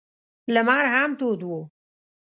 لمر هم تود و.